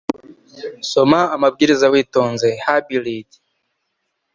Soma amabwiriza witonze (Hybrid)